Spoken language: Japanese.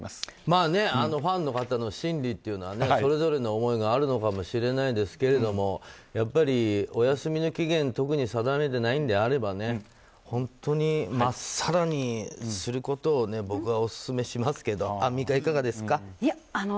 ファンの方の心理というのはねそれぞれの思いがあるのかもしれないですけれどもやっぱりお休みの期限を特に定めていないのであれば本当にまっさらにすることを僕はお勧めしますけれどもアンミカ、いかがですか。